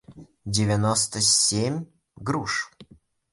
девяносто семь груш